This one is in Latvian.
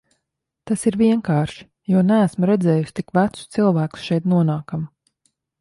Tas ir vienkārši, jo neesmu redzējusi tik vecus cilvēkus šeit nonākam.